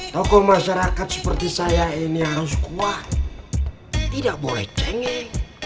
tokoh masyarakat seperti saya ini harus kuat tidak boleh cengeh